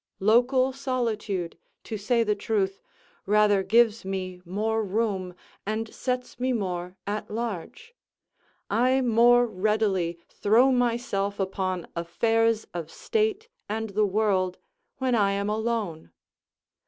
Local solitude, to say the truth, rather gives me more room and sets me more at large; I more readily throw myself upon affairs of state and the world when I am alone.